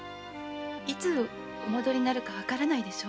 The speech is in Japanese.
いつお戻りになるかわからないでしょ。